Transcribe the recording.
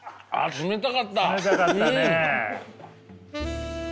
冷たかったね。